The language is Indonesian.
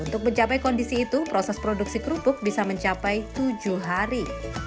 untuk mencapai kondisi itu proses produksi kerupuk bisa mencapai tujuh hari